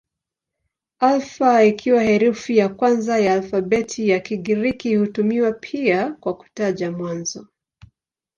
Alfa ikiwa herufi ya kwanza ya alfabeti ya Kigiriki hutumiwa pia kwa kutaja mwanzo.